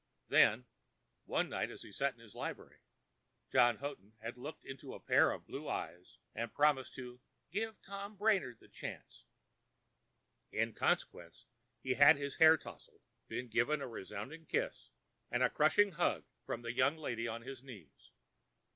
Then, one night as he sat in his library, John Houghton had looked into a pair of blue eyes and promised to "give Tom Brainard the chance." In consequence he had had his hair tousled, been given a resounding kiss and a crushing hug from the young lady on his knees.